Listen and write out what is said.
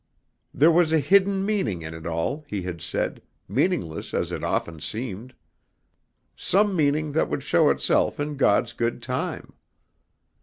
There was a hidden meaning in it all, he had said, meaningless as it often seemed. Some meaning that would show itself in God's good time.